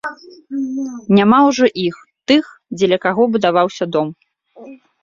Няма ўжо іх, тых, дзеля каго будаваўся дом.